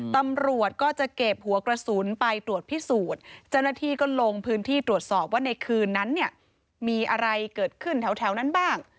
ตำรวจก็จะเก็บหัวกระสุนไปตรวจพิสูจน์เจ้าหน้าที่ก็ลงพื้นที่ตรวจสอบว่าในคืนนั้นเนี่ยมีอะไรเกิดขึ้นแถวนั้นบ้าง